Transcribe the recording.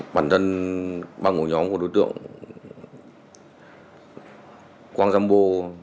bản thân băng của nhóm của đối tượng quang rambo